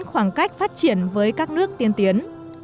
khoảng cách phát triển với các nước tiên tiến